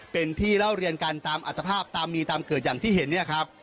เป็นที่เล่าเรียนกันตามอัตภาพตามมีตามเกิดอย่างที่เห็นเนี่ยครับ